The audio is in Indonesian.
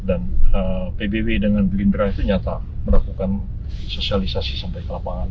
dan pbw dengan gerindra itu nyata melakukan sosialisasi sampai ke lapangan